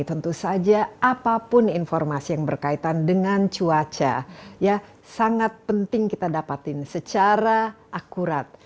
tentu saja apapun informasi yang berkaitan dengan cuaca ya sangat penting kita dapatin secara akurat